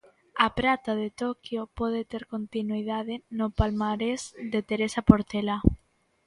A prata de Toquio pode ter continuidade no palmarés de Teresa Portela.